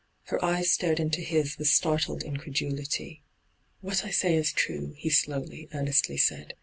Her eyes stared into his with startled incredulity. ' What I say is true,' he slowly, earnestly said.